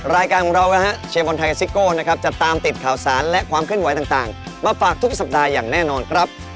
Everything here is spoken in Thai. รายการของเรานะฮะเชียร์บอลไทยซิโก้นะครับจะตามติดข่าวสารและความเคลื่อนไหวต่างมาฝากทุกสัปดาห์อย่างแน่นอนครับ